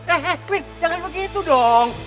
eh quick jangan begitu dong